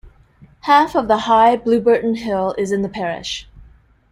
Half of the high Blewburton Hill is in the parish.